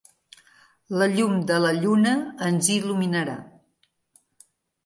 La llum de la lluna ens il·luminarà.